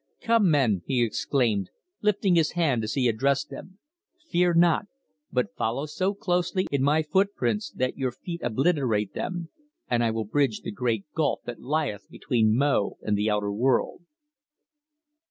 "Come, men," he exclaimed, lifting his hand as he addressed them. "Fear not, but follow so closely in my footprints that your feet obliterate them, and I will bridge the great gulf that lieth between Mo and the outer world."